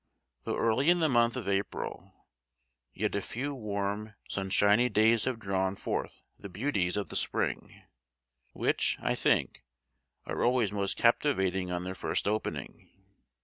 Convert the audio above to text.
Though early in the month of April, yet a few warm, sunshiny days have drawn forth the beauties of the spring, which, I think, are always most captivating on their first opening.